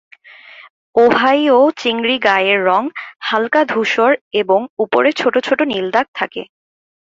Ohio চিংড়ির গায়ের রং হালকা ধূসর এবং ওপরে ছোট ছোট নীল দাগ থাকে।